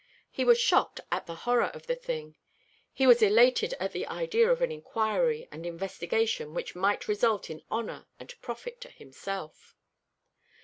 He was shocked at the horror of the thing; he was elated at the idea of an inquiry and investigation which might result in honour and profit to himself.